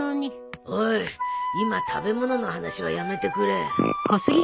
おい今食べ物の話はやめてくれ。